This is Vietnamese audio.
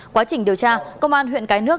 quá trình điều tra công an huyện cái nước